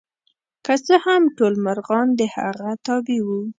که څه هم ټول مرغان د هغه تابع وو.